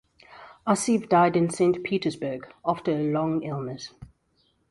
Aseev died in Saint Petersburg after a long illness.